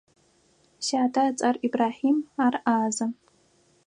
Сятэ ыцӏэр Ибрахьим, ар ӏазэ.